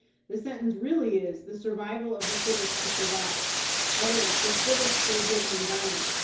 The sentence really is, "the survival of the fittest to survive"; that is, the fittest for a given environment.